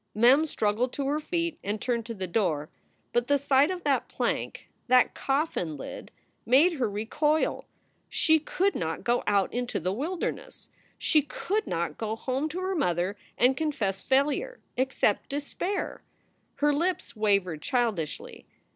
Mem struggled to her feet and turned to the door. But the sight of that plank, that coffin lid, made her recoil. She could not go out into the wilderness. She could not go home to her mother and confess failure, accept despair. Her lips wavered childishly.